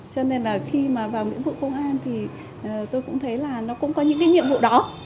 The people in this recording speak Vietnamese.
cho nên là khi mà vào nghĩa vụ công an thì tôi cũng thấy là nó cũng có những cái nhiệm vụ đó